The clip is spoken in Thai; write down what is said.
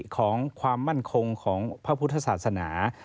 ของความมั่นคงของพระพุทธศาสนา